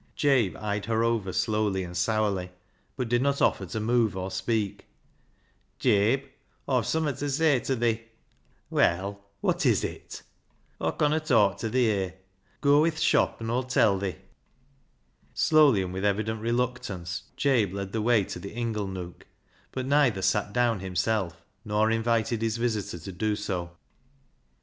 Jabe eyed her over slowly and sourly, but did not offer to move or speak. "Jabe, Aw've summat ta say ta thi," " \Vell, wot is it ?"" Aw conna talk ta thi here ; goa i' th' shop an' Aw'll tell thi." SIowl}', and with evident reluctance, Jabe led the way to the inglenook, but neither sat down himself nor invited his visitor to do so.